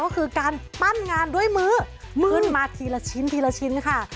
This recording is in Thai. ก็คือการปั้นงานด้วยมือขึ้นมาทีละชิ้นค่ะ